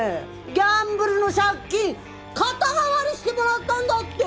ギャンブルの借金肩代わりしてもらったんだって？